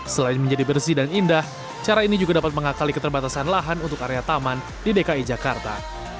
selain menjadi bersih dan indah cara ini juga dapat mengakali keterbatasan lahan untuk area taman di dki jakarta